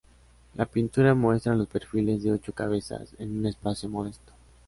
La pintura muestra los perfiles de ocho cabezas en un espacio modesto.